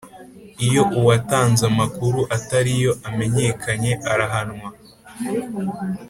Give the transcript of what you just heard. Iyo uwatanze amakuru atariyo amenyekanye arahanwa